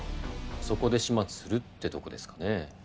そこで始末するってとこですかねえ。